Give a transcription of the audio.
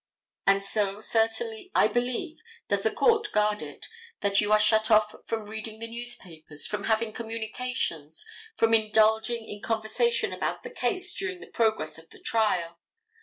And so certainly, I believe, does the court guard it, that you are shut off from reading the newspapers, from having communications, from indulging in conversation about the case during the progress of the trial.